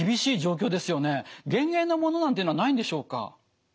減塩なものなんていうのはないんでしょうか。